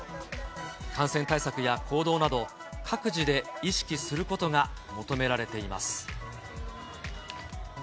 感染対策や行動など、各自で意識することが求められています。